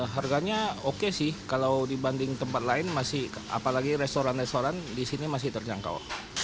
harganya oke sih kalau dibanding tempat lain apalagi restoran restoran di sini masih terjangkau